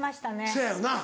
そやよな。